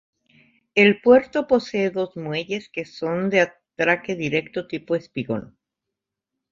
El puerto posee dos Muelles que son de atraque directo tipo espigón.